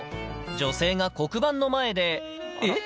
女性が黒板の前で、えっ？